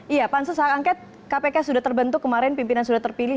iya pansus hak angket kpk sudah terbentuk kemarin pimpinan sudah terpilih